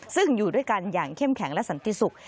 ซึ่งอยู่ด้วยกันอย่างเข้มแข็งและสันติสุข